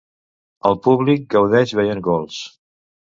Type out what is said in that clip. El públic gaudeix veient gols.